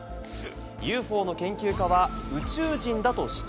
ＵＦＯの研究家は宇宙人だと主張。